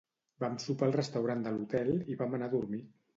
Vam sopar al restaurant de l'hotel i vam anar a dormir.